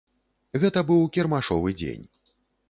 Гэта быў кірмашовы дзень.